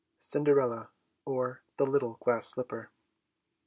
CINDERELLA; OR, THE LITTLE GLASS SLIPPER.